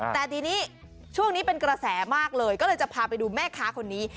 แต่ทีนี้ช่วงนี้เป็นกระแสมากเลยก็เลยจะพาไปดูแม่ค้าคนนี้